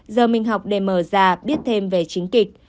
giờ mình học để mở ra biết thêm về chính kịch